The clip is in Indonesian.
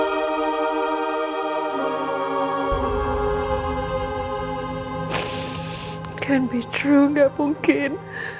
tidak mungkin gak mungkin